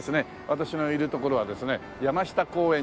私のいる所はですね山下公園